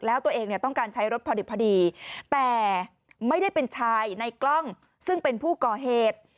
แล้วตัวเองเนี่ยต้องการใช้รถพอดีแต่ไม่ได้เป็นชายในกล้องซึ่งเป็นผู้ก่อเหตุ